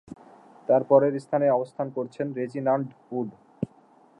তার পরের স্থানেই অবস্থান করছেন রেজিনাল্ড উড।